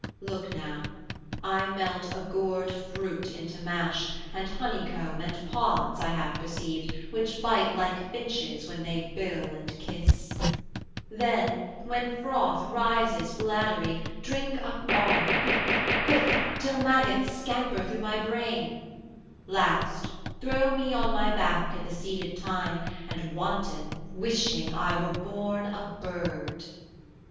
Look now, I melt a gourd fruit into mash, Add honeycomb and pods, I have perceived, Which bite like finches when they bill and kiss 70 Then, when froth rises bladdery, drink up all, Quick, quick, till maggots scamper through my brain; Last, throw me on my back i' the seeded thyme, And wanton, wishing I were born a bird.